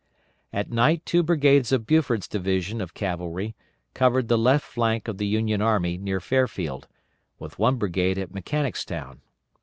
At night two brigades of Buford's division of cavalry covered the left flank of the Union army near Fairfield, with one brigade at Mechanicstown.